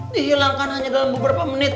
dihilangkan hanya dalam beberapa menit